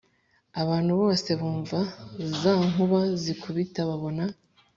Abantu bose bumva za nkuba zikubita babona